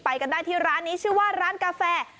กันได้ที่ร้านนี้ชื่อว่าร้านกาแฟ